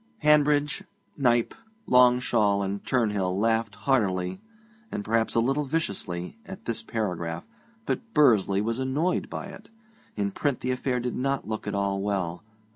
Hanbridge, Knype, Longshaw, and Turnhill laughed heartily, and perhaps a little viciously, at this paragraph, but Bursley was annoyed by it. In print the affair did not look at all well.